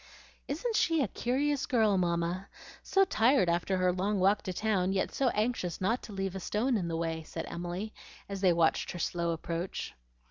"Isn't she a curious girl, Mamma? so tired after her long walk to town, yet so anxious not to leave a stone in the way," said Emily, as they watched her slow approach.